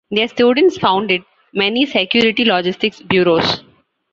Their students founded many "Security Logistics Bureaus".